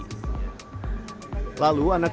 lalu anak yang lahir di jam lima sampai tujuh